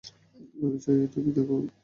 আমি চাই তুমি থাকো।